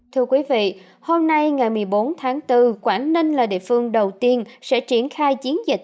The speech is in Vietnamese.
thưa quý vị hôm nay ngày một mươi bốn tháng bốn quảng ninh là địa phương đầu tiên sẽ triển khai chiến dịch